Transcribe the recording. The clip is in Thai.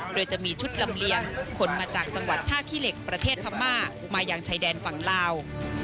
โดยจะมีชุดลำเลียงคนมาจากจังหวัดท่าขี้เหล็กประเทศพม่ามาอย่างชายแดนฝั่งลาว